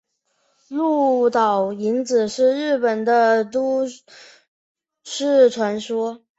鹿岛零子是日本的都市传说。